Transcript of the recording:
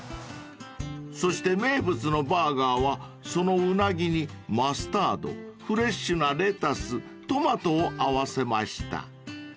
［そして名物のバーガーはそのウナギにマスタードフレッシュなレタストマトを合わせました］